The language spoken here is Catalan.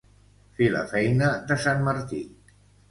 Fer la feina de sant Martí.